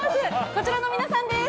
こちらの皆さんです。